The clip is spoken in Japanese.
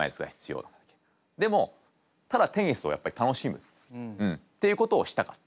でもただテニスをやっぱり楽しむっていうことをしたかった。